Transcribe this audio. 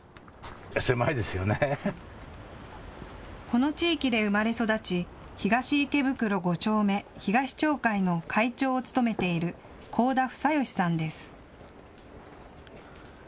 この地域で生まれ育ち東池袋５丁目東町会の会長を務めている國府田房義さんです。